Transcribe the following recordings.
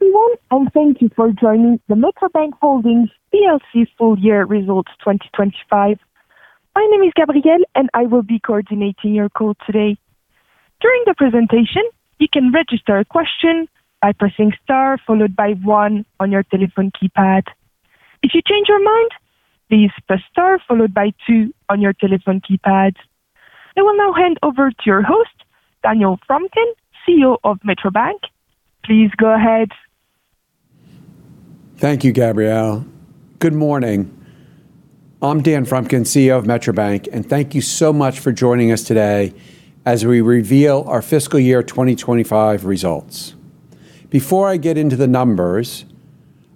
Hello, everyone, thank you for joining the Metro Bank Holdings PLC full year results 2025. My name is Gabrielle, and I will be coordinating your call today. During the presentation, you can register a question by pressing Star followed by One on your telephone keypad. If you change your mind, please press Star followed by Two on your telephone keypad. I will now hand over to your host, Daniel Frumkin, CEO of Metro Bank. Please go ahead. Thank you, Gabrielle. Good morning. I'm Dan Frumkin, CEO of Metro Bank, thank you so much for joining us today as we reveal our fiscal year 2025 results. Before I get into the numbers,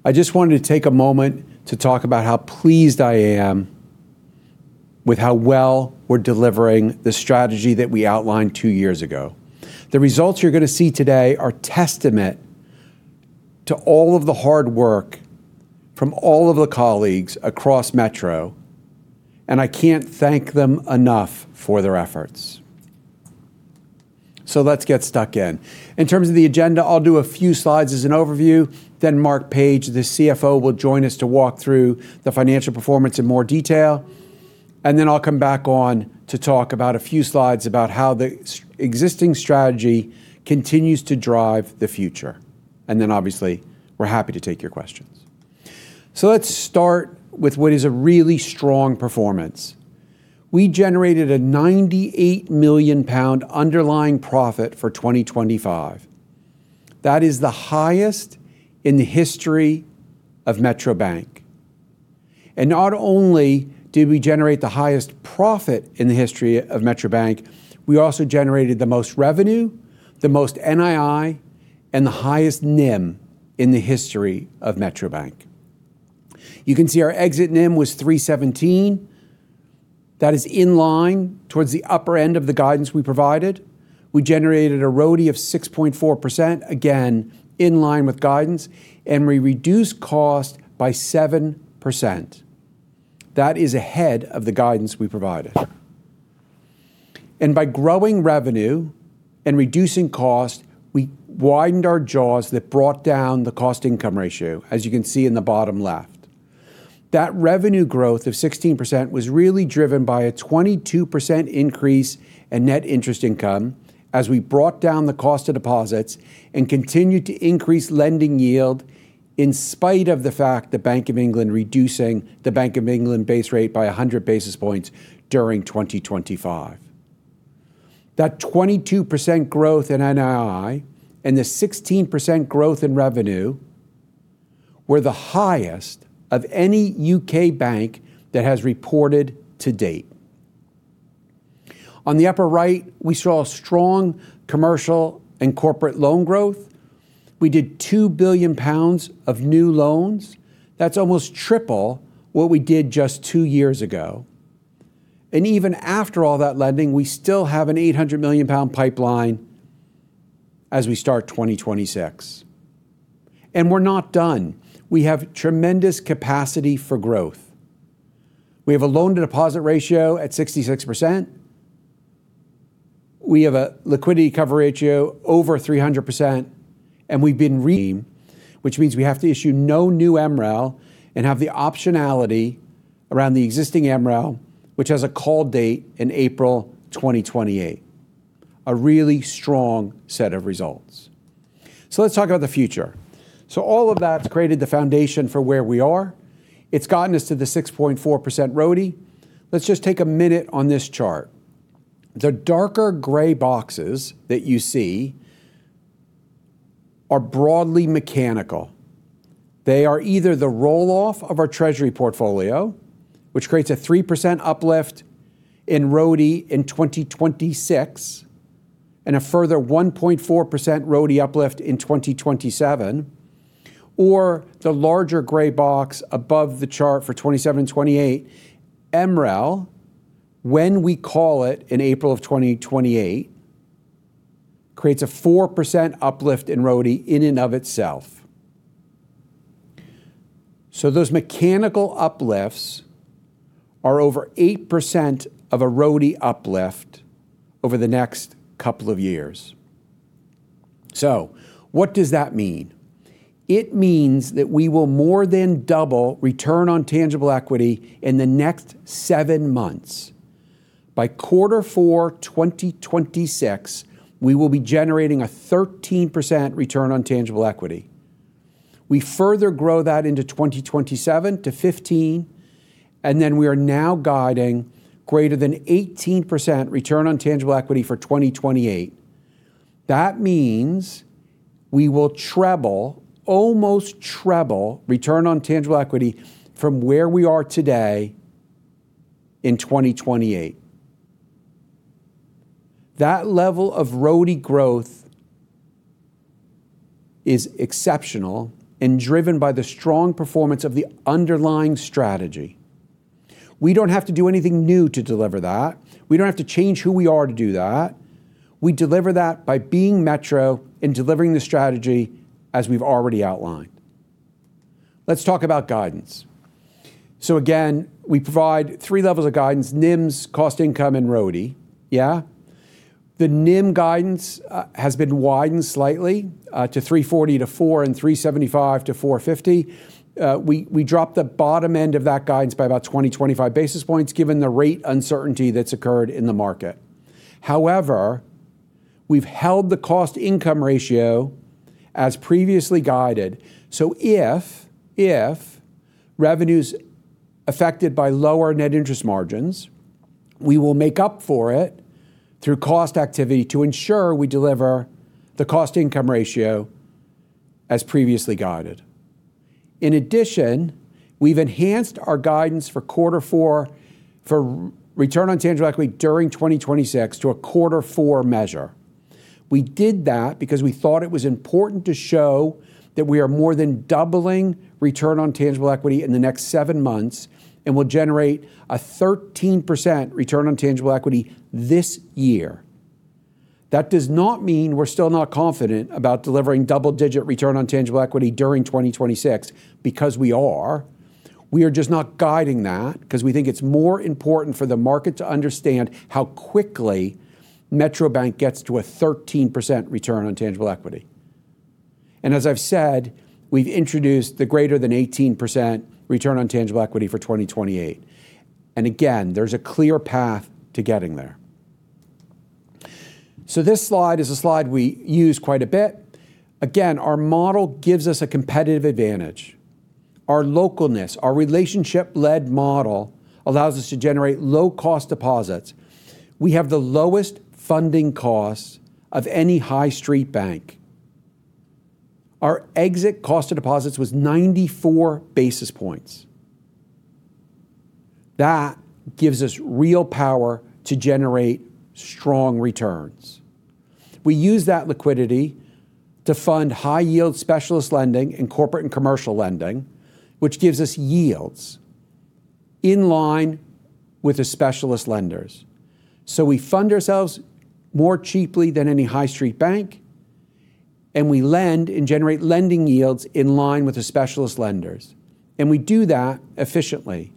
I just wanted to take a moment to talk about how pleased I am with how well we're delivering the strategy that we outlined two years ago. The results you're gonna see today are testament to all of the hard work from all of the colleagues across Metro, I can't thank them enough for their efforts. Let's get stuck in. In terms of the agenda, I'll do a few slides as an overview, Marc Page, the CFO, will join us to walk through the financial performance in more detail. I'll come back on to talk about a few slides about how the existing strategy continues to drive the future. Obviously, we're happy to take your questions. Let's start with what is a really strong performance. We generated a 98 million pound underlying profit for 2025. That is the highest in the history of Metro Bank. Not only did we generate the highest profit in the history of Metro Bank, we also generated the most revenue, the most NII, and the highest NIM in the history of Metro Bank. You can see our exit NIM was 3.17%. That is in line towards the upper end of the guidance we provided. We generated a RoTE of 6.4%, again, in line with guidance, and we reduced cost by 7%. That is ahead of the guidance we provided. By growing revenue and reducing cost, we widened our jaws that brought down the cost-income ratio, as you can see in the bottom left. That revenue growth of 16% was really driven by a 22% increase in net interest income as we brought down the cost of deposits and continued to increase lending yield in spite of the fact the Bank of England reducing the Bank of England base rate by 100 basis points during 2025. The 22% growth in NII and the 16% growth in revenue were the highest of any U.K. bank that has reported to date. On the upper right, we saw strong commercial and corporate loan growth. We did two billion pounds of new loans. That's almost triple what we did just two years ago. Even after all that lending, we still have a 800 million pound pipeline as we start 2026. We're not done. We have tremendous capacity for growth. We have a loan-to-deposit ratio at 66%. We have a Liquidity Coverage Ratio over 300%, which means we have to issue no new MREL and have the optionality around the existing MREL, which has a call date in April 2028. A really strong set of results. Let's talk about the future. All of that's created the foundation for where we are. It's gotten us to the 6.4% RoTE. Let's just take a minute on this chart. The darker gray boxes that you see are broadly mechanical. They are either the roll-off of our treasury portfolio, which creates a 3% uplift in RoTE in 2026 and a further 1.4% RoTE uplift in 2027, or the larger gray box above the chart for 2027, 2028. MREL, when we call it in April of 2028, creates a 4% uplift in RoTE in and of itself. Those mechanical uplifts are over 8% of a RoTE uplift over the next couple of years. What does that mean? It means that we will more than double Return on Tangible Equity in the next seven months. By quarter four, 2026, we will be generating a 13% Return on Tangible Equity. We further grow that into 2027 to 15%, we are now guiding greater than 18% Return on Tangible Equity for 2028. That means we will almost treble Return on Tangible Equity from where we are today in 2028. That level of RoTE growth is exceptional and driven by the strong performance of the underlying strategy. We don't have to do anything new to deliver that. We don't have to change who we are to do that. We deliver that by being Metro and delivering the strategy as we've already outlined. Let's talk about guidance. Again, we provide three levels of guidance, NIMS, cost-income, and RoTE, yeah? The NIM guidance has been widened slightly to 3.40%-4% and 3.75%-4.50%. We dropped the bottom end of that guidance by about 20-25 basis points given the rate uncertainty that's occurred in the market. However, we've held the cost-income ratio as previously guided. If revenues affected by lower net interest margins, we will make up for it through cost activity to ensure we deliver the cost-income ratio as previously guided. In addition, we've enhanced our guidance for quarter four for return on tangible equity during 2026 to a quarter four measure. We did that because we thought it was important to show that we are more than doubling return on tangible equity in the next seven months and will generate a 13% return on tangible equity this year. That does not mean we're still not confident about delivering double-digit return on tangible equity during 2026 because we are. We are just not guiding that because we think it's more important for the market to understand how quickly Metro Bank gets to a 13% return on tangible equity. As I've said, we've introduced the greater than 18% return on tangible equity for 2028. Again, there's a clear path to getting there. This slide is a slide we use quite a bit. Again, our model gives us a competitive advantage. Our localness, our relationship-led model allows us to generate low-cost deposits. We have the lowest funding costs of any high street bank. Our exit cost of deposits was 94 basis points. That gives us real power to generate strong returns. We use that liquidity to fund high-yield specialist lending in corporate and commercial lending, which gives us yields in line with the specialist lenders. We fund ourselves more cheaply than any high street bank, and we lend and generate lending yields in line with the specialist lenders. We do that efficiently.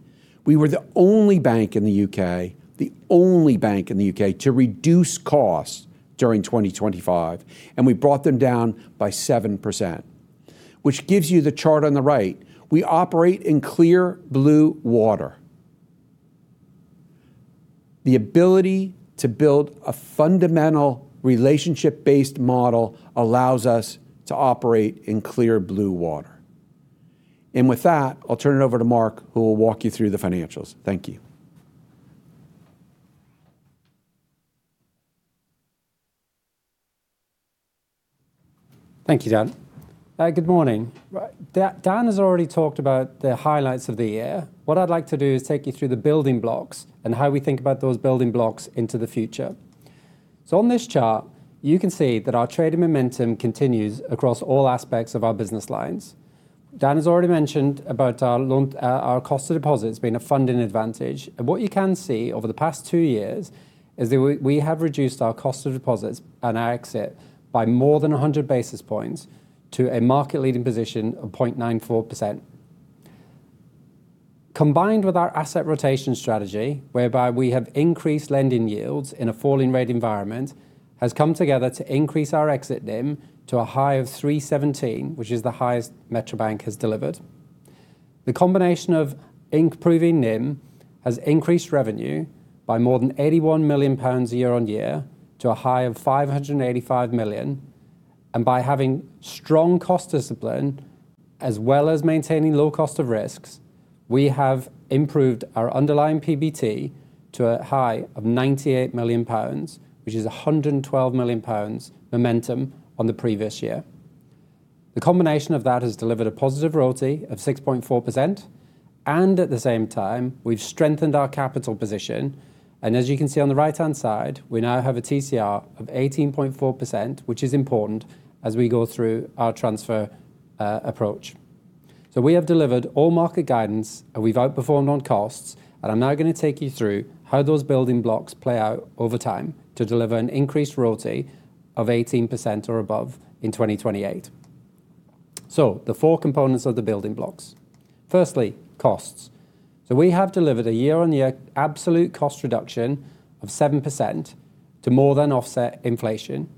We were the only bank in the U.K. to reduce costs during 2025, and we brought them down by 7%, which gives you the chart on the right. We operate in clear blue water. The ability to build a fundamental relationship-based model allows us to operate in clear blue water. With that, I'll turn it over to Marc, who will walk you through the financials. Thank you. Thank you, Dan. Good morning. Dan has already talked about the highlights of the year. What I'd like to do is take you through the building blocks and how we think about those building blocks into the future. On this chart, you can see that our trading momentum continues across all aspects of our business lines. Dan has already mentioned about our cost of deposits being a funding advantage. What you can see over the past two years is that we have reduced our cost of deposits and our exit by more than 100 basis points to a market-leading position of 0.94%. Combined with our asset rotation strategy, whereby we have increased lending yields in a falling rate environment, has come together to increase our exit NIM to a high of 3.17, which is the highest Metro Bank has delivered. The combination of improving NIM has increased revenue by more than 81 million pounds year-on-year to a high of 585 million. By having strong cost discipline as well as maintaining low cost of risks, we have improved our underlying PBT to a high of 98 million pounds, which is 112 million pounds momentum on the previous year. The combination of that has delivered a positive RoTE of 6.4%, at the same time, we've strengthened our capital position. As you can see on the right-hand side, we now have a TCR of 18.4%, which is important as we go through our transfer approach. We have delivered all market guidance, and we've outperformed on costs, and I'm now going to take you through how those building blocks play out over time to deliver an increased RoTE of 18% or above in 2028. The four components of the building blocks. Firstly, costs. We have delivered a year-on-year absolute cost reduction of 7% to more than offset inflation.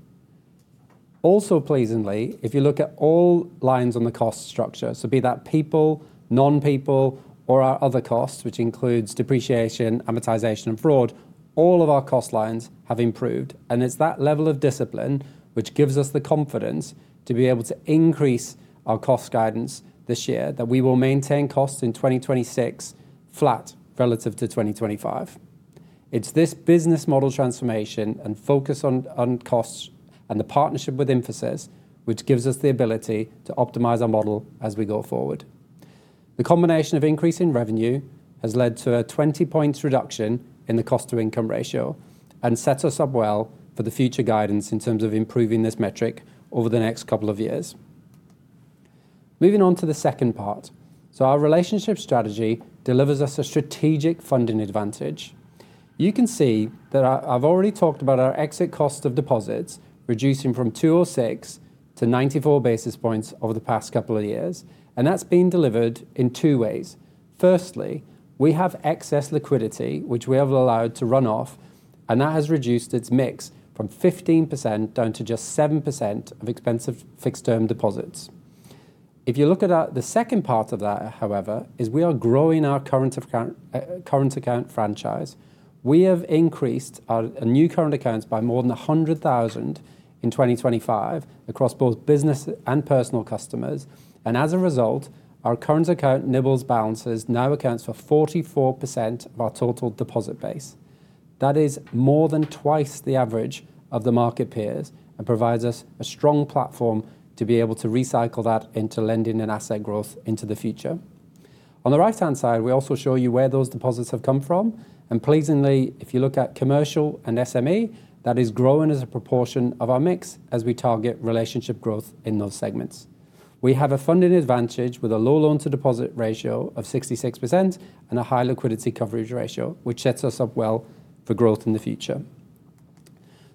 Also pleasingly, if you look at all lines on the cost structure, so be that people, non-people, or our other costs, which includes depreciation, amortization, and fraud, all of our cost lines have improved. It's that level of discipline which gives us the confidence to be able to increase our cost guidance this year that we will maintain costs in 2026 flat relative to 2025. It's this business model transformation and focus on costs and the partnership with Infosys which gives us the ability to optimize our model as we go forward. The combination of increase in revenue has led to a 20-point reduction in the cost-to-income ratio and sets us up well for the future guidance in terms of improving this metric over the next couple of years. Moving on to the second part. Our relationship strategy delivers us a strategic funding advantage. You can see that I've already talked about our exit cost of deposits reducing from 206-94 basis points over the past couple of years, and that's been delivered in two ways. Firstly, we have excess liquidity, which we have allowed to run off, and that has reduced its mix from 15% down to just 7% of expensive fixed-term deposits. If you look at the second part of that, however, is we are growing our current account current account franchise. We have increased our new current accounts by more than 100,000 in 2025 across both business and personal customers. As a result, our current account NIBs balances now accounts for 44% of our total deposit base. That is more than twice the average of the market peers and provides us a strong platform to be able to recycle that into lending and asset growth into the future. On the right-hand side, we also show you where those deposits have come from. Pleasingly, if you look at commercial and SME, that is growing as a proportion of our mix as we target relationship growth in those segments. We have a funded advantage with a low loan-to-deposit ratio of 66% and a high Liquidity Coverage Ratio, which sets us up well for growth in the future.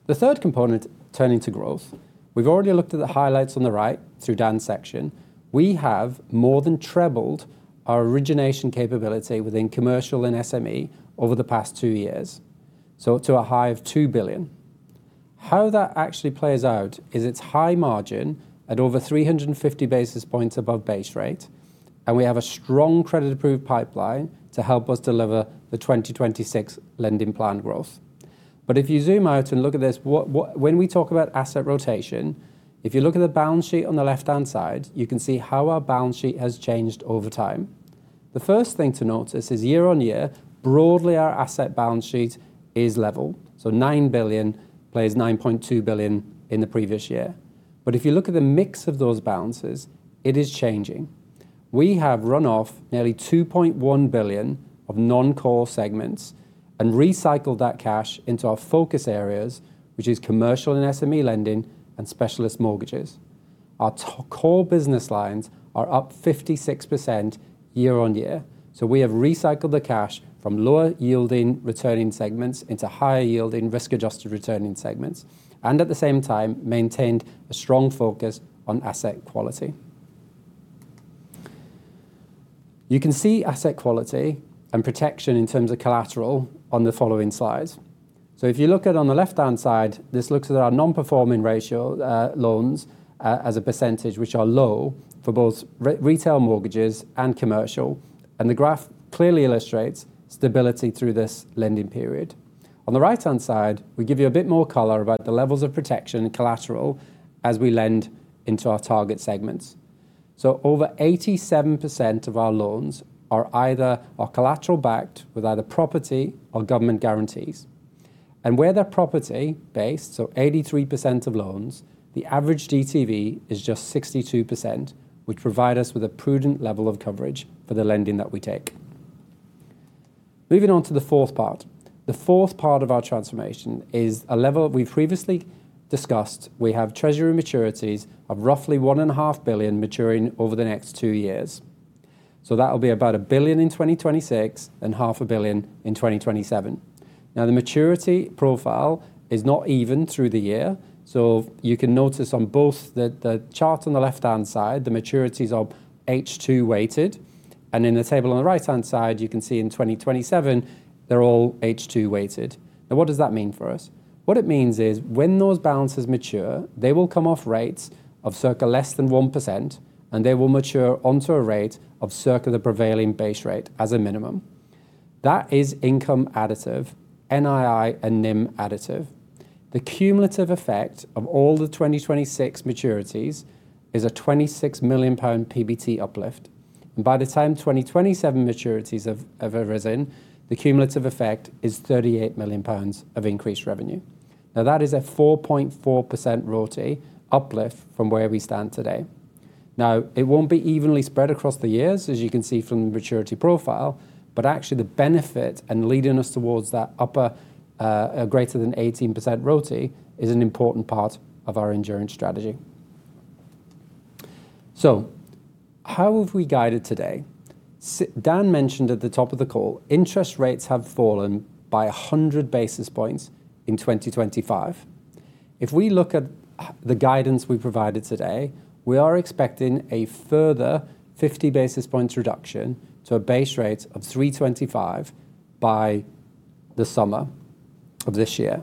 The third component, turning to growth. We've already looked at the highlights on the right through Dan's section. We have more than trebled our origination capability within commercial and SME over the past two years, so to a high of 2 billion. How that actually plays out is it's high margin at over 350 basis points above base rate, and we have a strong credit-approved pipeline to help us deliver the 2026 lending plan growth. If you zoom out and look at this, when we talk about asset rotation, if you look at the balance sheet on the left-hand side, you can see how our balance sheet has changed over time. The first thing to notice is YoY, broadly, our asset balance sheet is level, so 9 billion plays 9.2 billion in the previous year. If you look at the mix of those balances, it is changing. We have run off nearly 2.1 billion of non-core segments and recycled that cash into our focus areas, which is commercial and SME lending and specialist mortgages. Our core business lines are up 56% YoY, so we have recycled the cash from lower yielding returning segments into higher yielding risk-adjusted returning segments and at the same time maintained a strong focus on asset quality. You can see asset quality and protection in terms of collateral on the following slides. If you look at on the left-hand side, this looks at our non-performing ratio, loans as a percentage, which are low for both retail mortgages and commercial. The graph clearly illustrates stability through this lending period. On the right-hand side, we give you a bit more color about the levels of protection and collateral as we lend into our target segments. Over 87% of our loans are either collateral-backed with either property or government guarantees. Where they're property-based, so 83% of loans, the average LTV is just 62%, which provide us with a prudent level of coverage for the lending that we take. Moving on to the fourth part. The fourth part of our transformation is a level we've previously discussed. We have treasury maturities of roughly one and a half billion maturing over the next two years. That'll be about 1 billion in 2026 and GBP half a billion in 2027. The maturity profile is not even through the year, you can notice on both the chart on the left-hand side, the maturities are H2 weighted, and in the table on the right-hand side, you can see in 2027, they're all H2 weighted. What does that mean for us? What it means is when those balances mature, they will come off rates of circa less than 1%, and they will mature onto a rate of circa the prevailing base rate as a minimum. That is income additive, NII and NIM additive. The cumulative effect of all the 2026 maturities is a 26 million pound PBT uplift. By the time 2027 maturities have arisen, the cumulative effect is 38 million pounds of increased revenue. That is a 4.4% RoTE uplift from where we stand today. It won't be evenly spread across the years, as you can see from the maturity profile, but actually the benefit and leading us towards that upper, greater than 18% RoTE is an important part of our enduring strategy. How have we guided today? Dan mentioned at the top of the call, interest rates have fallen by 100 basis points in 2025. If we look at the guidance we provided today, we are expecting a further 50 basis points reduction to a base rate of 3.25 by the summer of this year.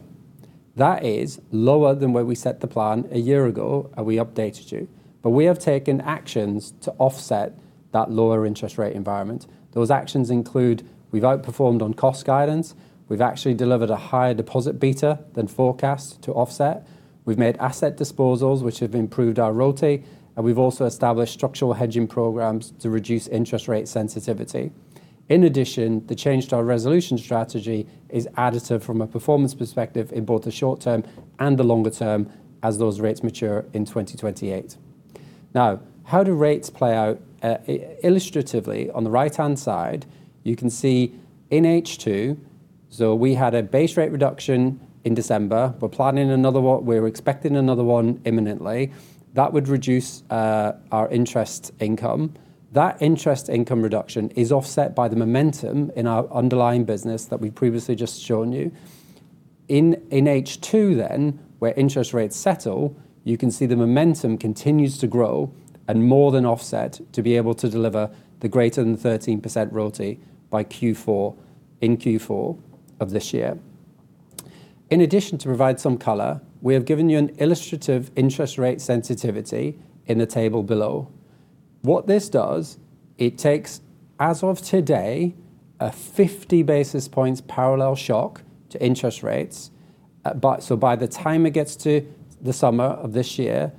That is lower than where we set the plan a year ago, and we updated you. We have taken actions to offset that lower interest rate environment. Those actions include we've outperformed on cost guidance. We've actually delivered a higher deposit beta than forecast to offset. We've made asset disposals, which have improved our RoTE, and we've also established structural hedging programs to reduce interest rate sensitivity. In addition, the change to our resolution strategy is additive from a performance perspective in both the short term and the longer term as those rates mature in 2028. Now, how do rates play out illustratively on the right-hand side, you can see in H2, we had a base rate reduction in December. We're planning another one. We're expecting another one imminently. That would reduce our interest income. That interest income reduction is offset by the momentum in our underlying business that we've previously just shown you. In H2, where interest rates settle, you can see the momentum continues to grow and more than offset to be able to deliver the greater than 13% RoTE by Q4, in Q4 of this year. In addition, to provide some color, we have given you an illustrative interest rate sensitivity in the table below. What this does, it takes as of today, a 50 basis points parallel shock to interest rates, so by the time it gets to the summer of this year,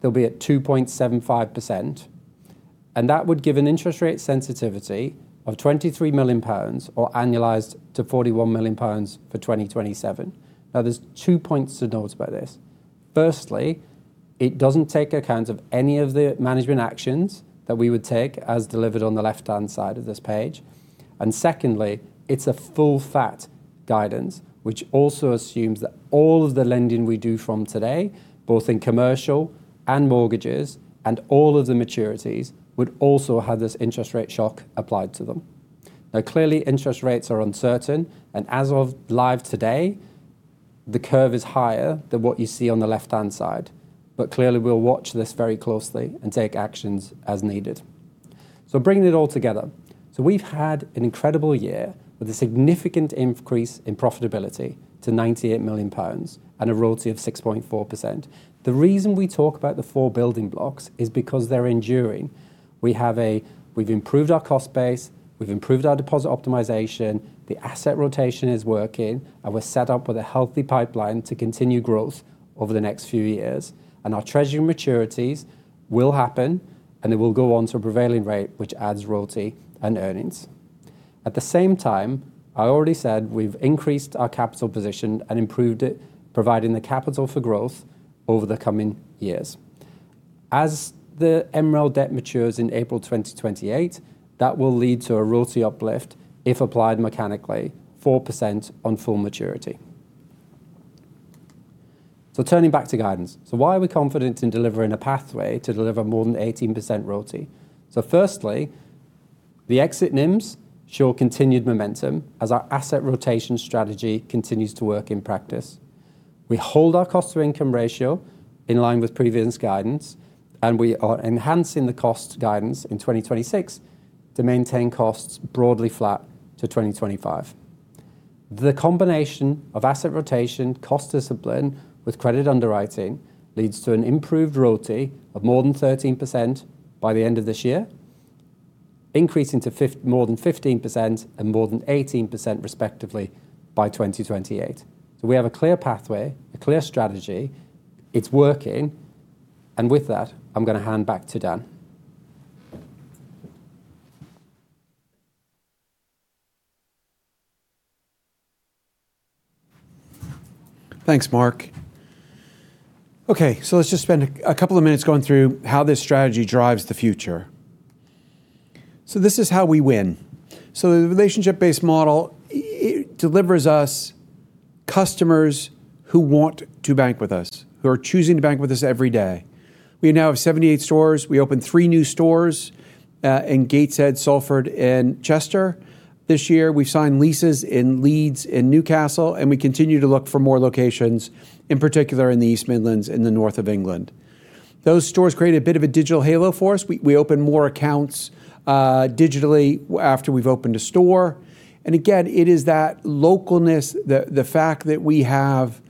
they'll be at 2.75%, and that would give an interest rate sensitivity of 23 million pounds or annualized to 41 million pounds for 2027. There's two points to note about this. Firstly, it doesn't take account of any of the management actions that we would take as delivered on the left-hand side of this page. Secondly, it's a full fat guidance, which also assumes that all of the lending we do from today, both in commercial and mortgages and all of the maturities, would also have this interest rate shock applied to them. Clearly, interest rates are uncertain, and as of live today, the curve is higher than what you see on the left-hand side. Clearly, we'll watch this very closely and take actions as needed. Bringing it all together. We've had an incredible year with a significant increase in profitability to 98 million pounds and a RoTE of 6.4%. The reason we talk about the four building blocks is because they're enduring. We've improved our cost base, we've improved our deposit optimization, the asset rotation is working, and we're set up with a healthy pipeline to continue growth over the next few years. Our treasury maturities will happen, and they will go on to a prevailing rate, which adds RoTE and earnings. At the same time, I already said we've increased our capital position and improved it, providing the capital for growth over the coming years. As the MREL debt matures in April 2028, that will lead to a RoTE uplift if applied mechanically, 4% on full maturity. Turning back to guidance. Why are we confident in delivering a pathway to deliver more than 18% RoTE? Firstly, the exit NIMs show continued momentum as our asset rotation strategy continues to work in practice. We hold our cost-income ratio in line with previous guidance, we are enhancing the cost guidance in 2026 to maintain costs broadly flat to 2025. The combination of asset rotation, cost discipline with credit underwriting leads to an improved RoTE of more than 13% by the end of this year, increasing to more than 15% and more than 18% respectively by 2028. We have a clear pathway, a clear strategy. It's working. With that, I'm going to hand back to Dan. Thanks, Marc. Let's just spend a couple of minutes going through how this strategy drives the future. This is how we win. The relationship-based model, it delivers us customers who want to bank with us, who are choosing to bank with us every day. We now have 78 stores. We opened three new stores in Gateshead, Salford, and Chester. This year, we've signed leases in Leeds and Newcastle, and we continue to look for more locations, in particular in the East Midlands in the North of England. Those stores create a bit of a digital halo for us. We open more accounts digitally after we've opened a store. Again, it is that localness, the fact that we have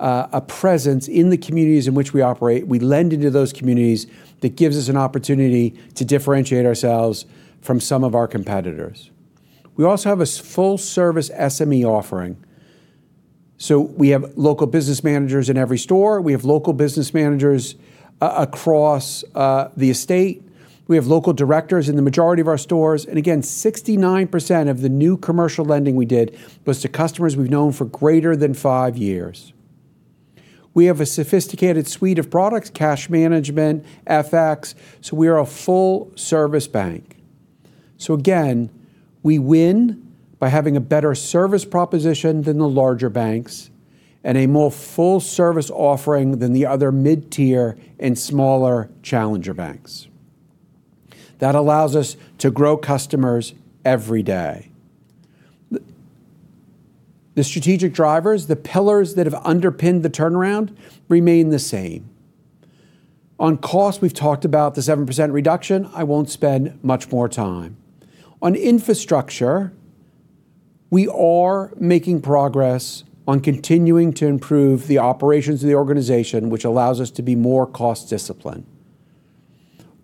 a presence in the communities in which we operate, we lend into those communities, that gives us an opportunity to differentiate ourselves from some of our competitors. We also have a full-service SME offering. We have local business managers in every store. We have local business managers across the estate. We have local directors in the majority of our stores. Again, 69% of the new commercial lending we did was to customers we've known for greater than five years. We have a sophisticated suite of products, cash management, FX. We are a full-service bank. Again, we win by having a better service proposition than the larger banks and a more full-service offering than the other mid-tier and smaller challenger banks. That allows us to grow customers every day. The strategic drivers, the pillars that have underpinned the turnaround remain the same. On cost, we've talked about the 7% reduction. I won't spend much more time. On infrastructure, we are making progress on continuing to improve the operations of the organization, which allows us to be more cost discipline.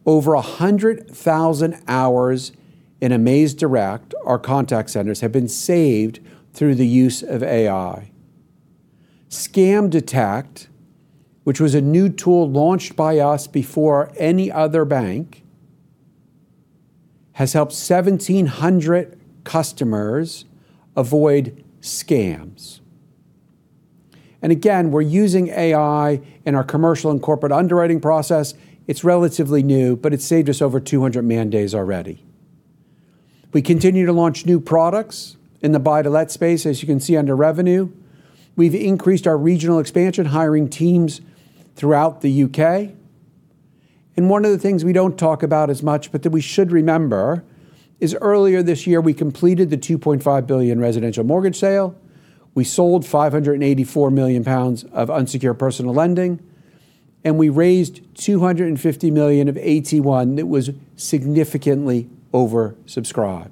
Over 100,000 hours in AMAZE Direct, our contact centers, have been saved through the use of AI. Scam Detect, which was a new tool launched by us before any other bank, has helped 1,700 customers avoid scams. Again, we're using AI in our commercial and corporate underwriting process. It's relatively new, but it's saved us over 200 man days already. We continue to launch new products in the buy-to-let space, as you can see under revenue. We've increased our regional expansion, hiring teams throughout the U.K. One of the things we don't talk about as much, but that we should remember, is earlier this year, we completed the 2.5 billion residential mortgage sale. We sold 584 million pounds of unsecured personal lending, and we raised 250 million of AT1 that was significantly oversubscribed.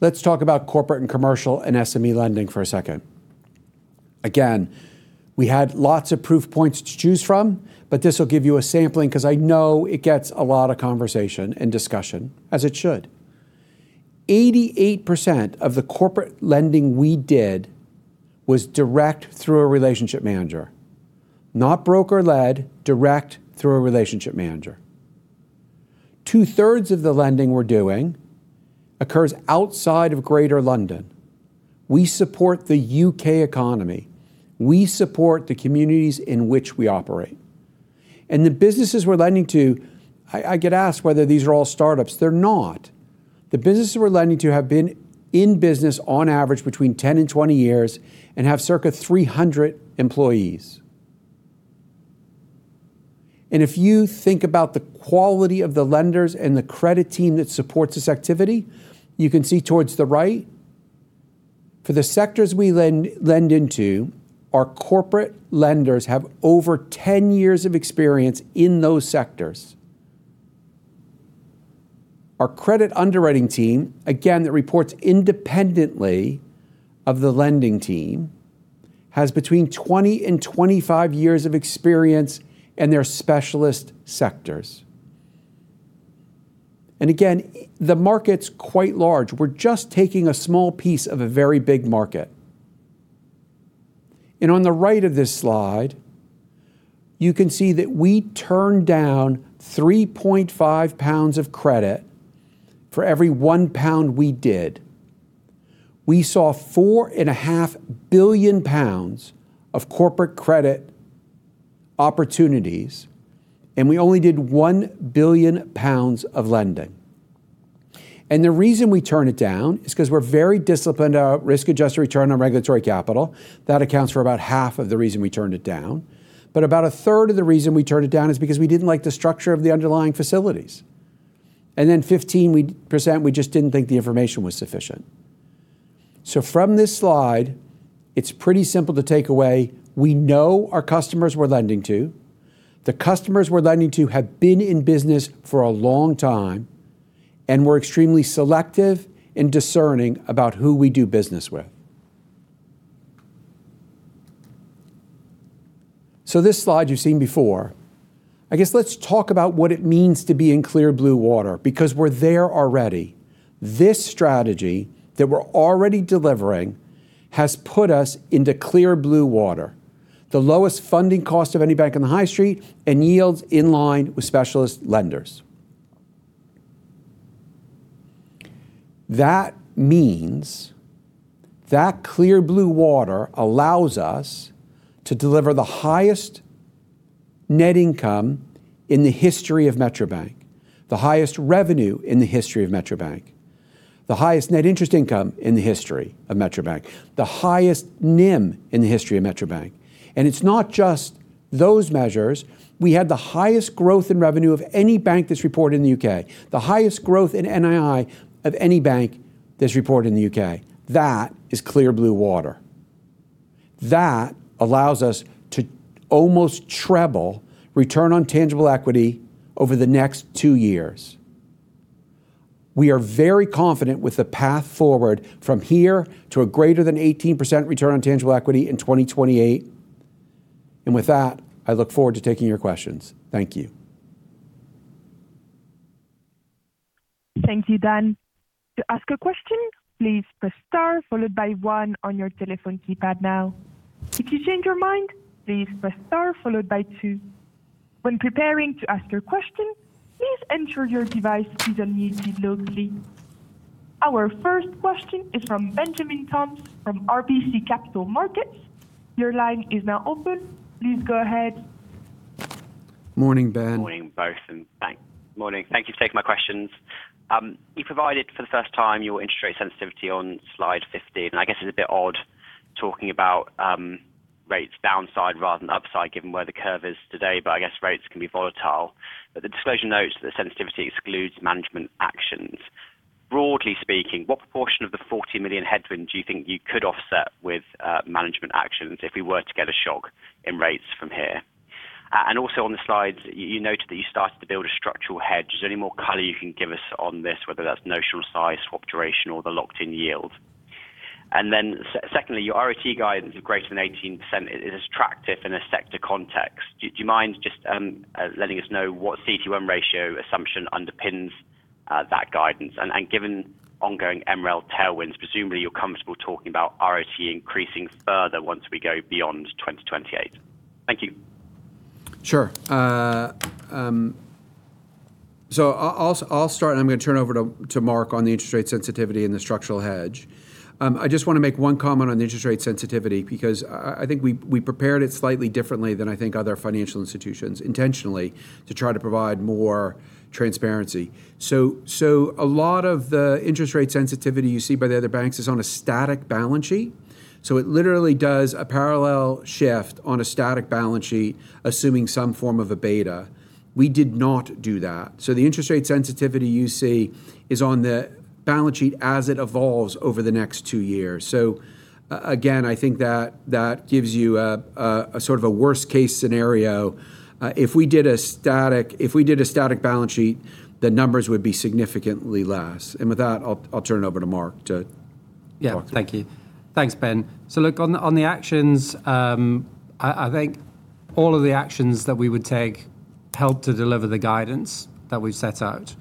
Let's talk about corporate and commercial and SME lending for a second. We had lots of proof points to choose from, but this will give you a sampling because I know it gets a lot of conversation and discussion, as it should. 88% of the corporate lending we did was direct through a relationship manager. Not broker-led, direct through a relationship manager. Two-thirds of the lending we're doing occurs outside of Greater London. We support the U.K. economy. We support the communities in which we operate. The businesses we're lending to, I get asked whether these are all startups. They're not. The businesses we're lending to have been in business on average between 10 and 20 years and have circa 300 employees. If you think about the quality of the lenders and the credit team that supports this activity, you can see towards the right, for the sectors we lend into, our corporate lenders have over 10 years of experience in those sectors. Our credit underwriting team, again, that reports independently of the lending team, has between 20 and 25 years of experience in their specialist sectors. Again, the market's quite large. We're just taking a small piece of a very big market. On the right of this slide, you can see that we turned down 3.5 pounds of credit for every 1 pound we did. We saw 4.5 billion pounds of corporate credit opportunities, and we only did 1 billion pounds of lending. The reason we turn it down is because we're very disciplined about risk-adjusted return on regulatory capital. That accounts for about half of the reason we turned it down. About a third of the reason we turned it down is because we didn't like the structure of the underlying facilities. Then 15%, we just didn't think the information was sufficient. From this slide, it's pretty simple to take away. We know our customers we're lending to. The customers we're lending to have been in business for a long time, and we're extremely selective in discerning about who we do business with. This slide you've seen before. I guess let's talk about what it means to be in clear blue water because we're there already. This strategy that we're already delivering has put us into clear blue water. The lowest funding cost of any bank on the high street and yields in line with specialist lenders. That means that clear blue water allows us to deliver the highest net income in the history of Metro Bank, the highest revenue in the history of Metro Bank, the highest net interest income in the history of Metro Bank, the highest NIM in the history of Metro Bank. It's not just those measures. We had the highest growth in revenue of any bank that's reported in the U.K., the highest growth in NII of any bank that's reported in the U.K.. That is clear blue water. That allows us to almost treble return on tangible equity over the next two years. We are very confident with the path forward from here to a greater than 18% return on tangible equity in 2028. With that, I look forward to taking your questions. Thank you. Thank you, Dan. To ask a question, please press star followed by one on your telephone keypad now. If you change your mind, please press star followed by two. When preparing to ask your question, please ensure your device is unmuted locally. Our first question is from Benjamin Toms from RBC Capital Markets. Your line is now open. Please go ahead. Morning, Ben. Morning, both, morning. Thank you for taking my questions. You provided for the first time your interest rate sensitivity on slide 15. I guess it's a bit odd talking about rates downside rather than upside given where the curve is today, but I guess rates can be volatile. The disclosure notes that sensitivity excludes management actions. Broadly speaking, what proportion of the 40 million headwind do you think you could offset with management actions if we were to get a shock in rates from here? Also on the slides, you noted that you started to build a structural hedge. Is there any more color you can give us on this, whether that's notional size, swap duration, or the locked-in yield? Secondly, your RoTE guidance of greater than 18% is attractive in a sector context. Do you mind just letting us know what CET1 ratio assumption underpins that guidance? Given ongoing MREL tailwinds, presumably you're comfortable talking about RoTE increasing further once we go beyond 2028. Thank you. Sure. I'll start and I'm gonna turn over to Marc on the interest rate sensitivity and the structural hedge. I just want to make one comment on the interest rate sensitivity because I think we prepared it slightly differently than I think other financial institutions intentionally to try to provide more transparency. A lot of the interest rate sensitivity you see by the other banks is on a static balance sheet. It literally does a parallel shift on a static balance sheet, assuming some form of a beta. We did not do that. The interest rate sensitivity you see is on the balance sheet as it evolves over the next two years. Again, I think that that gives you a sort of a worst case scenario. If we did a static balance sheet, the numbers would be significantly less. With that, I'll turn it over to Marc to talk through. Yeah. Thank you. Thanks, Ben. Look, on the actions, I think all of the actions that we would take help to deliver the guidance that we've set out.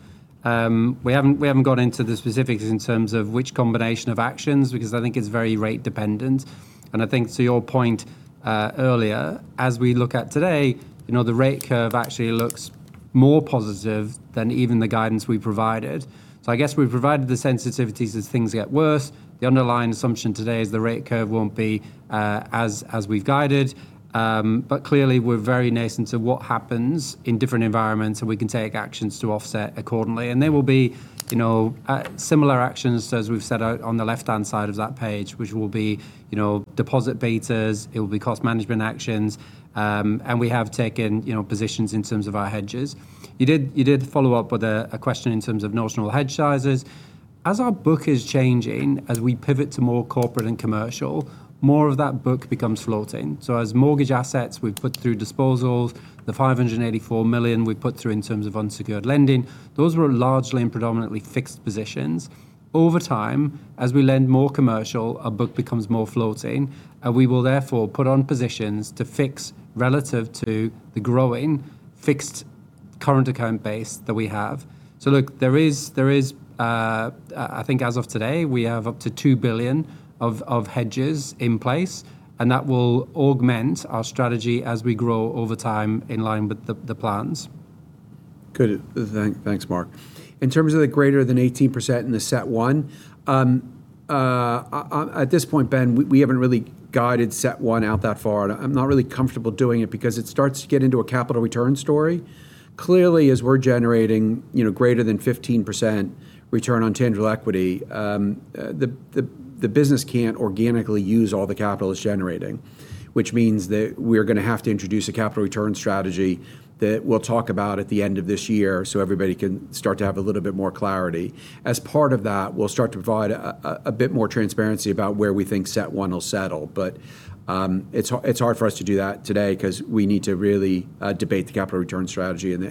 We haven't gone into the specifics in terms of which combination of actions, because I think it's very rate dependent. I think to your point earlier, as we look at today, you know, the rate curve actually looks more positive than even the guidance we provided. I guess we've provided the sensitivities as things get worse. The underlying assumption today is the rate curve won't be as we've guided. Clearly we're very nascent to what happens in different environments, and we can take actions to offset accordingly. They will be, you know, similar actions as we've set out on the left-hand side of that page, which will be, you know, deposit betas, it will be cost management actions. We have taken, you know, positions in terms of our hedges. You did follow up with a question in terms of notional hedge sizes. As our book is changing, as we pivot to more corporate and commercial, more of that book becomes floating. As mortgage assets, we've put through disposals, the 584 million we put through in terms of unsecured lending, those were largely and predominantly fixed positions. Over time, as we lend more commercial, our book becomes more floating, and we will therefore put on positions to fix relative to the growing fixed current account base that we have. Look, there is, I think as of today, we have up to 2 billion of hedges in place, and that will augment our strategy as we grow over time in line with the plans. Good. Thanks, Marc. In terms of the greater than 18% in the CET1, at this point, Ben, we haven't really guided CET1 out that far, and I'm not really comfortable doing it because it starts to get into a capital return story. Clearly, as we're generating, you know, greater than 15% Return on Tangible Equity, the business can't organically use all the capital it's generating, which means that we're gonna have to introduce a capital return strategy that we'll talk about at the end of this year so everybody can start to have a little bit more clarity. As part of that, we'll start to provide a bit more transparency about where we think CET1 will settle. it's hard for us to do that today because we need to really debate the capital return strategy and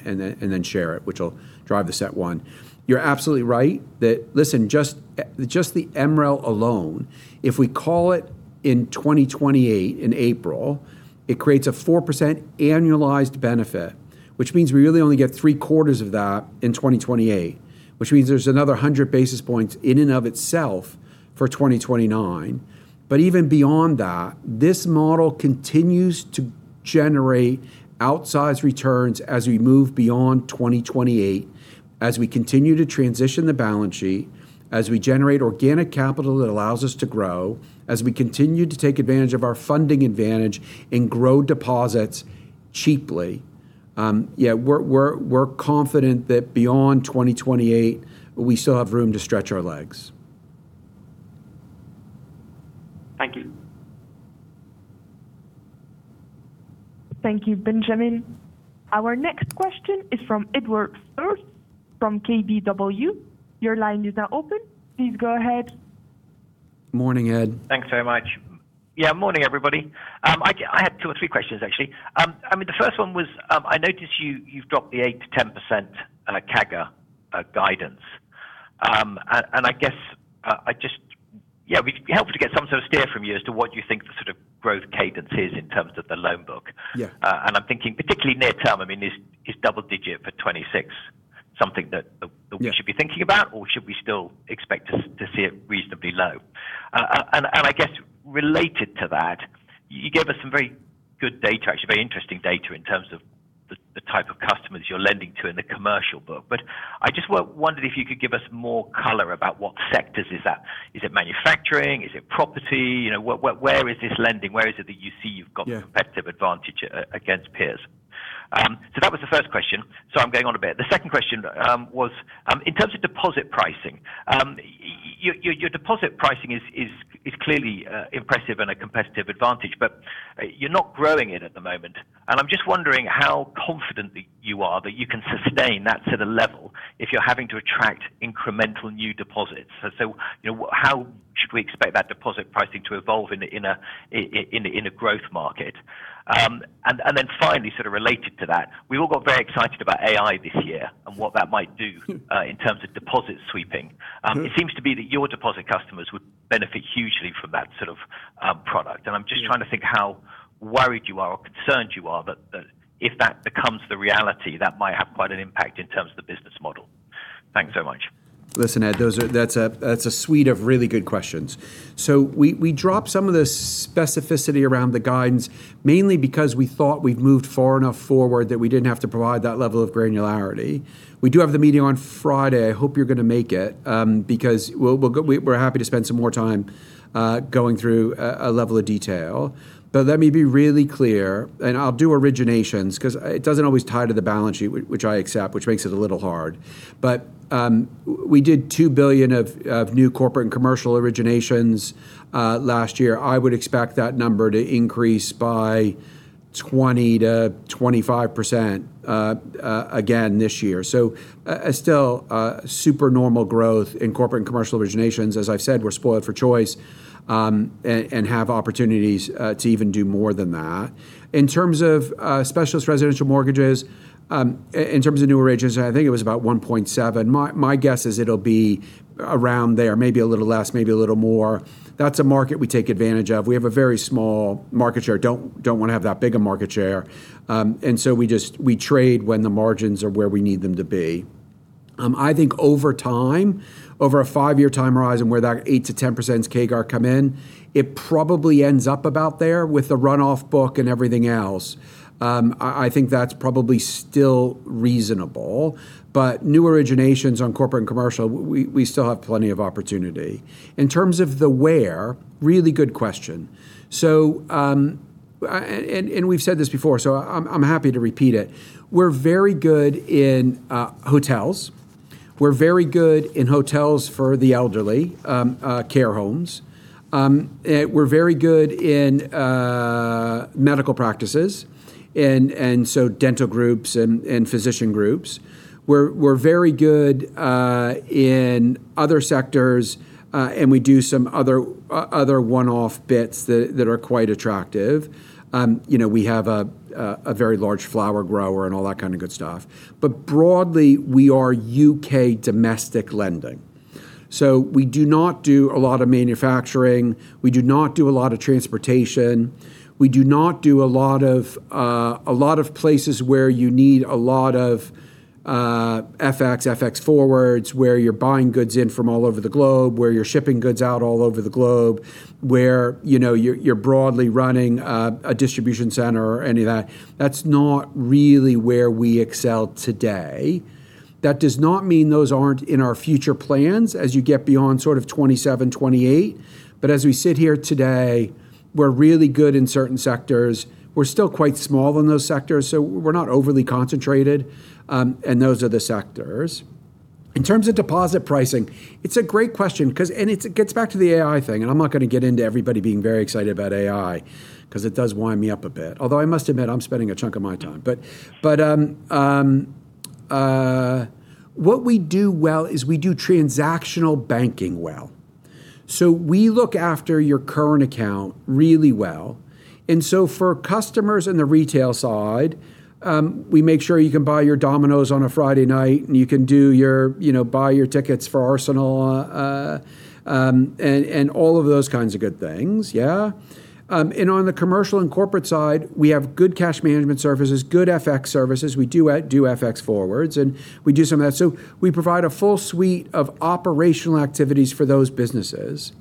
then share it, which will drive the CET1. You're absolutely right that, listen, just the MREL alone, if we call it in 2028 in April, it creates a 4% annualized benefit, which means we really only get three-quarters of that in 2028, which means there's another 100 basis points in and of itself for 2029. Even beyond that, this model continues to generate outsized returns as we move beyond 2028, as we continue to transition the balance sheet, as we generate organic capital that allows us to grow, as we continue to take advantage of our funding advantage and grow deposits cheaply. Yeah, we're confident that beyond 2028, we still have room to stretch our legs. Thank you. Thank you, Benjamin. Our next question is from Edward Firth from KBW. Your line is now open. Please go ahead. Morning, Ed. Thanks very much. Yeah. Morning, everybody. I had two or three questions, actually. I mean, the first one was, I noticed you've dropped the 8%-10% CAGR guidance. I guess, Yeah, it'd be helpful to get some sort of steer from you as to what you think the sort of growth cadence is in terms of the loan book. Yeah. I'm thinking particularly near term, I mean, is double digit for 26 something that. Yeah We should be thinking about, or should we still expect to see it reasonably low? I guess related to that, you gave us some very good data, actually very interesting data in terms of the type of customers you're lending to in the commercial book. I just wondered if you could give us more color about what sectors is that. Is it manufacturing? Is it property? You know, what, where is this lending? Where is it that you see you've got competitive advantage against peers? Yeah That was the first question. Sorry I'm going on a bit. The second question was in terms of deposit pricing, your deposit pricing is clearly impressive and a competitive advantage, but you're not growing it at the moment. I'm just wondering how confident you are that you can sustain that sort of level if you're having to attract incremental new deposits. You know, how should we expect that deposit pricing to evolve in a growth market? Then finally, sort of related to that, we all got very excited about AI this year and what that might do in terms of deposit sweeping. It seems to be that your deposit customers would benefit hugely from that sort of product. Yeah. I'm just trying to think how worried you are or concerned you are that if that becomes the reality, that might have quite an impact in terms of the business model. Thanks so much. Listen, Edward, that's a suite of really good questions. We dropped some of the specificity around the guidance, mainly because we thought we'd moved far enough forward that we didn't have to provide that level of granularity. We do have the meeting on Friday. I hope you're gonna make it, because we're happy to spend some more time going through a level of detail. Let me be really clear, and I'll do originations 'cause it doesn't always tie to the balance sheet, which I accept, which makes it a little hard. We did 2 billion of new corporate and commercial originations last year. I would expect that number to increase by 20%-25% again this year. Still super normal growth in corporate and commercial originations. As I've said, we're spoiled for choice, and have opportunities to even do more than that. In terms of specialist residential mortgages, in terms of new origins, I think it was about 1.7. My guess is it'll be around there, maybe a little less, maybe a little more. That's a market we take advantage of. We have a very small market share. Don't wanna have that big a market share. We trade when the margins are where we need them to be. I think over time, over a five-year time horizon where that 8%-10% CAGR come in, it probably ends up about there with the run-off book and everything else. I think that's probably still reasonable. New originations on corporate and commercial, we still have plenty of opportunity. In terms of the where, really good question. We've said this before, so I'm happy to repeat it. We're very good in hotels. We're very good in hotels for the elderly, care homes. We're very good in medical practices and so dental groups and physician groups. We're very good in other sectors, and we do some other one-off bits that are quite attractive. You know, we have a very large flower grower and all that kind of good stuff. Broadly, we are U.K. domestic lending. We do not do a lot of manufacturing. We do not do a lot of transportation. We do not do a lot of, a lot of places where you need a lot of FX forwards, where you're buying goods in from all over the globe, where you're shipping goods out all over the globe, where, you know, you're broadly running a distribution center or any of that. That's not really where we excel today. That does not mean those aren't in our future plans as you get beyond sort of 27, 28. As we sit here today, we're really good in certain sectors. We're still quite small in those sectors, so we're not overly concentrated. Those are the sectors. In terms of deposit pricing, it's a great question 'cause it gets back to the AI thing, I'm not gonna get into everybody being very excited about AI 'cause it does wind me up a bit. Although I must admit, I'm spending a chunk of my time. What we do well is we do transactional banking well. We look after your current account really well. For customers in the retail side, we make sure you can buy your Domino's on a Friday night, and you can do your, you know, buy your tickets for Arsenal, all of those kinds of good things, yeah. On the commercial and corporate side, we have good cash management services, good FX services. We do FX forwards, and we do some of that. We provide a full suite of operational activities for those businesses.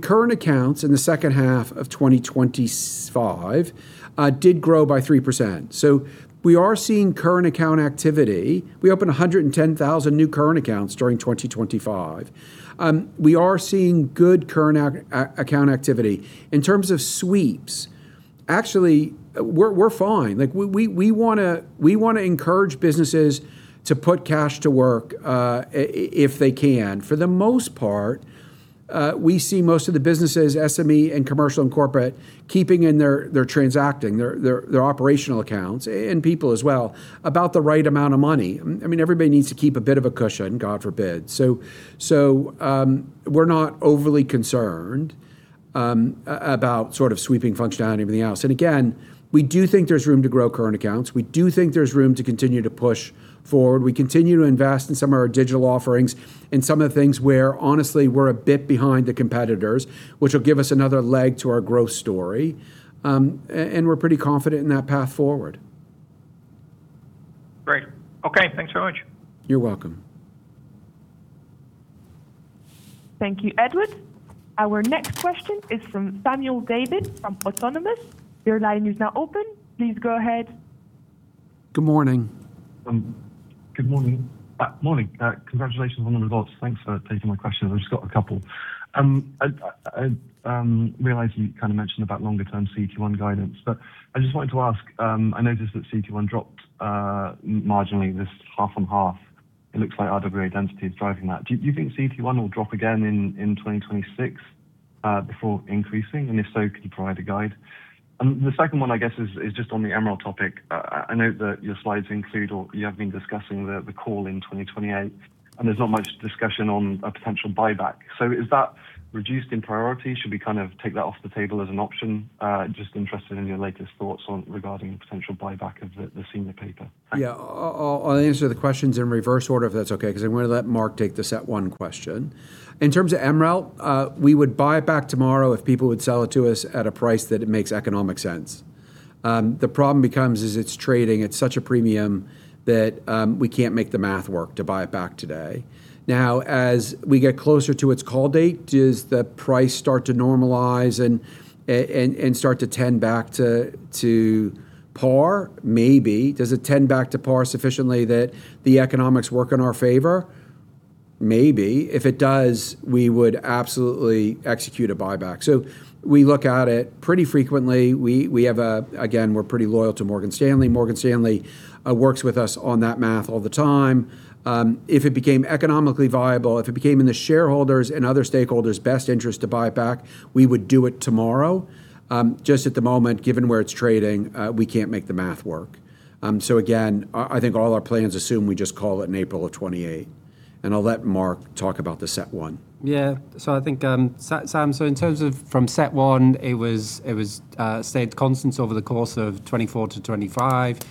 Current accounts in the second half of 2025, did grow by 3%. We are seeing current account activity. We opened 110,000 new current accounts during 2025. We are seeing good current account activity. In terms of sweeps, actually we're fine. Like, we wanna encourage businesses to put cash to work if they can. For the most part, we see most of the businesses, SME and commercial and corporate, keeping in their transacting, their operational accounts and people as well, about the right amount of money. I mean, everybody needs to keep a bit of a cushion, God forbid. We're not overly concerned about sort of sweeping functionality and everything else. Again, we do think there's room to grow current accounts. We do think there's room to continue to push forward. We continue to invest in some of our digital offerings and some of the things where honestly, we're a bit behind the competitors, which will give us another leg to our growth story. We're pretty confident in that path forward. Great. Okay, thanks very much. You're welcome. Thank you, Edward. Our next question is from Samuel David from Autonomous. Your line is now open. Please go ahead. Good morning. Good morning. Morning. Congratulations on the results. Thanks for taking my questions. I've just got a couple. I realize you kinda mentioned about longer term CET1 guidance, but I just wanted to ask. I noticed that CET1 dropped marginally this half on half. It looks like RWA density is driving that. Do you think CET1 will drop again in 2026 before increasing? If so, could you provide a guide? The second one, I guess, is just on the MREL topic. I note that your slides include or you have been discussing the call in 2028, and there's not much discussion on a potential buyback. Is that reduced in priority? Should we kind of take that off the table as an option? Just interested in your latest thoughts on regarding the potential buyback of the senior paper. Thank you. Yeah. I'll answer the questions in reverse order if that's okay, 'cause I'm gonna let Marc take the CET1 question. In terms of MREL, we would buy it back tomorrow if people would sell it to us at a price that it makes economic sense. The problem becomes is it's trading at such a premium that we can't make the math work to buy it back today. As we get closer to its call date, does the price start to normalize and start to tend back to par? Maybe. Does it tend back to par sufficiently that the economics work in our favor? Maybe. If it does, we would absolutely execute a buyback. We look at it pretty frequently. Again, we're pretty loyal to Morgan Stanley. Morgan Stanley works with us on that math all the time. If it became economically viable, if it became in the shareholders' and other stakeholders' best interest to buy back, we would do it tomorrow. Just at the moment, given where it's trading, we can't make the math work. So again, I think all our plans assume we just call it an April of 2028. I'll let Marc talk about the CET1. Yeah. I think, Sam, in terms of from CET1, it stayed constant over the course of 2024-2025.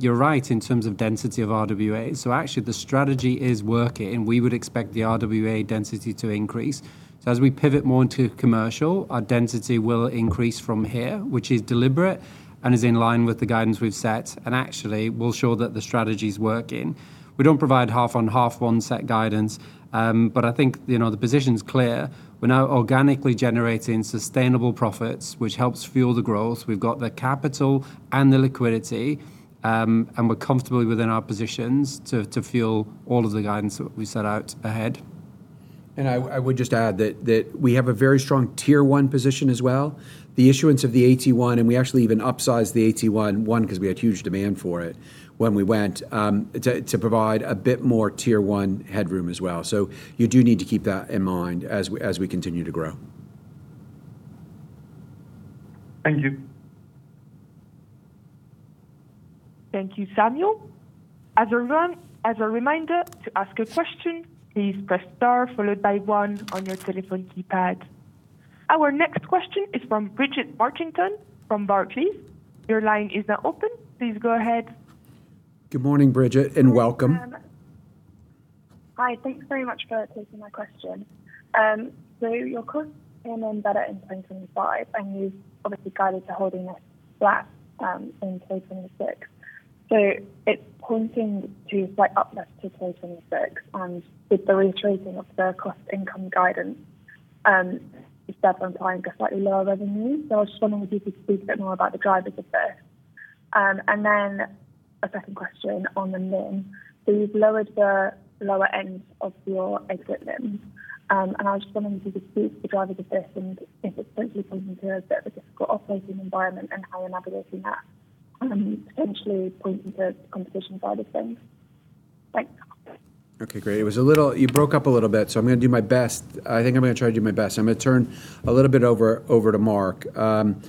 You're right in terms of density of RWA. Actually the strategy is working, and we would expect the RWA density to increase. As we pivot more into commercial, our density will increase from here, which is deliberate and is in line with the guidance we've set and actually will show that the strategy's working. We don't provide half on half one set guidance, but I think, you know, the position's clear. We're now organically generating sustainable profits, which helps fuel the growth. We've got the capital and the liquidity, and we're comfortably within our positions to fuel all of the guidance that we set out ahead. I would just add that we have a very strong Tier 1 position as well. The issuance of the AT1, and we actually even upsized the AT1, because we had huge demand for it when we went to provide a bit more Tier 1 headroom as well. You do need to keep that in mind as we continue to grow. Thank you. Thank you, Samuel. As a reminder, to ask a question, please press star followed by one on your telephone keypad. Our next question is from Bridget Marchington from Barclays. Your line is now open. Please go ahead. Good morning, Bridget, and welcome. Hi. Thanks very much for taking my question. Your costs came in better in 2025, and you've obviously guided to holding it flat in 2026. It's pointing to a slight uplift to 2026. With the reiterating of the cost-income guidance, is therefore implying a slightly lower revenue. I was just wondering if you could speak a bit more about the drivers of this. A second question on the NIM. You've lowered the lower end of your equipment. I was just wondering if you could speak to the drivers of this and if it's simply pointing to a bit of a difficult operating environment and how you're navigating that, potentially pointing to the competition side of things. Thanks. Okay, great. It was a little. You broke up a little bit, I'm going to do my best. I think I'm going to try to do my best. I'm going to turn a little bit over to Marc. On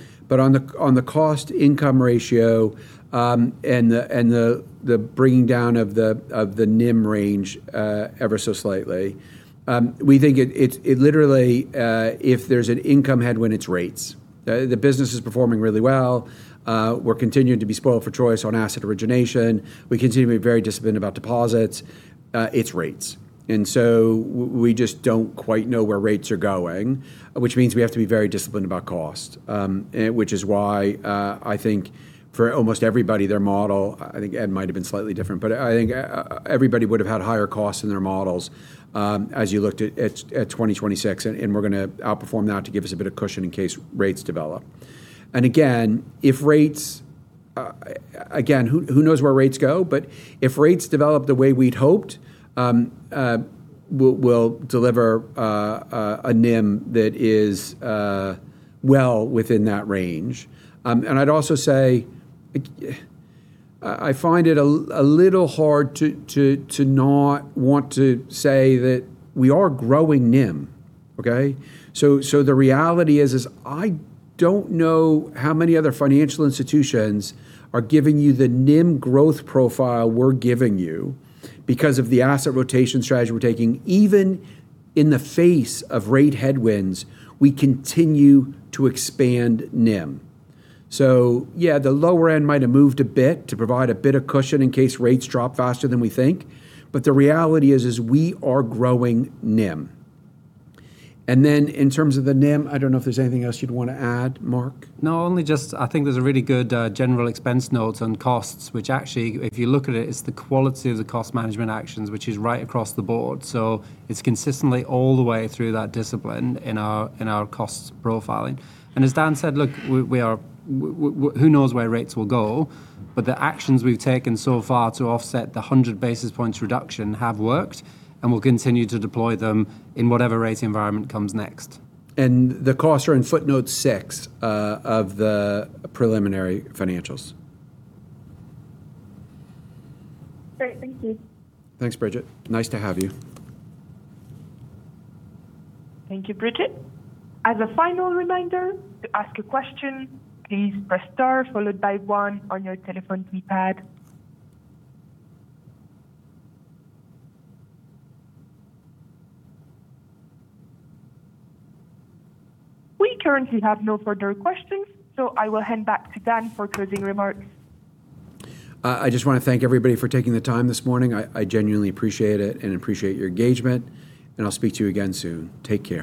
the cost-income ratio, and the bringing down of the NIM range, ever so slightly, we think it literally, if there's an income headwind it's rates. The business is performing really well. We're continuing to be spoiled for choice on asset origination. We continue to be very disciplined about deposits. It's rates. We just don't quite know where rates are going, which means we have to be very disciplined about cost. Which is why, I think for almost everybody, their model, I think Ed might have been slightly different, but I think everybody would have had higher costs in their models, as you looked at 2026. We're gonna outperform that to give us a bit of cushion in case rates develop. Again, if rates again, who knows where rates go, but if rates develop the way we'd hoped, we'll deliver a NIM that is well within that range. I'd also say I find it a little hard to not want to say that we are growing NIM. Okay? The reality is, I don't know how many other financial institutions are giving you the NIM growth profile we're giving you because of the asset rotation strategy we're taking. Even in the face of rate headwinds, we continue to expand NIM. Yeah, the lower end might have moved a bit to provide a bit of cushion in case rates drop faster than we think. The reality is, we are growing NIM. Then in terms of the NIM, I don't know if there's anything else you'd want to add, Marc. I think there's a really good general expense notes on costs, which actually, if you look at it's the quality of the cost management actions, which is right across the board. It's consistently all the way through that discipline in our, in our costs profiling. As Dan said, look, Who knows where rates will go, the actions we've taken so far to offset the 100 basis points reduction have worked, and we'll continue to deploy them in whatever rate environment comes next. The costs are in footnote six of the preliminary financials. Great. Thank you. Thanks, Bridget. Nice to have you. Thank you, Bridget. As a final reminder, to ask a question, please press star followed by one on your telephone keypad. I will hand back to Dan for closing remarks. I just want to thank everybody for taking the time this morning. I genuinely appreciate it and appreciate your engagement. I'll speak to you again soon. Take care.